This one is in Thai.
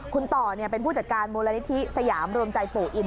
คุณต่อเป็นผู้จัดการมูลนิธิสยามรวมใจปู่อิน